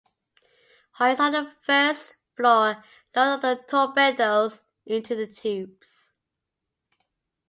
Hoists on the first floor lowered the torpedoes into the tubes.